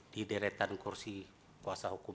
di deretan kursi kuasa hukum